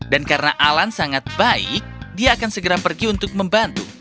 dan karena alan sangat baik dia akan segera pergi untuk membantu